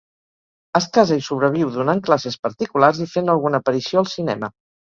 Es casa i sobreviu donant classes particulars i fent alguna aparició al cinema.